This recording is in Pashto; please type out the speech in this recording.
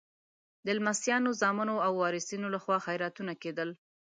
د لمسیانو، زامنو او وارثینو لخوا خیراتونه کېدل.